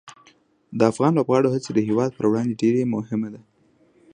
د افغان لوبغاړو هڅې د هېواد پر وړاندې ډېره مهمه دي.